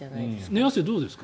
寝汗どうですか？